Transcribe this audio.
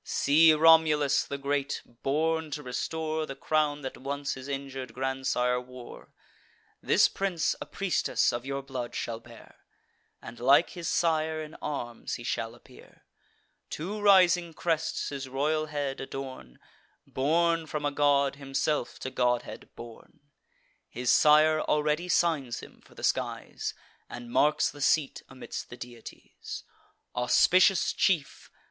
See Romulus the great, born to restore The crown that once his injur'd grandsire wore. This prince a priestess of your blood shall bear, And like his sire in arms he shall appear. Two rising crests, his royal head adorn; Born from a god, himself to godhead born: His sire already signs him for the skies, And marks the seat amidst the deities. Auspicious chief!